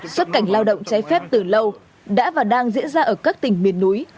xuất cảnh lao động cháy phép từ lâu đã và đang diễn ra ở các tỉnh miền núi